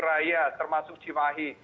raya termasuk cimahi